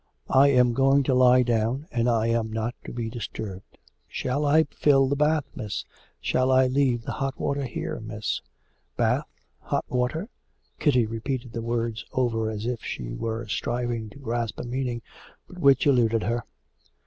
I am going to lie down, and I am not to be disturbed.' 'Shall I fill the bath, Miss? Shall I leave the hot water here, Miss?' 'Bath ... hot water ...' Kitty repeated the words over as if she were striving to grasp a meaning, but which eluded her.